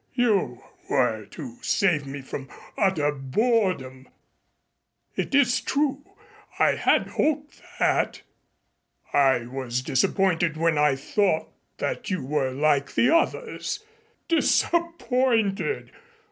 You were to save me from utter boredom. It is true. I had hoped that. I was disappointed when I thought that you were like the others. Disappointed!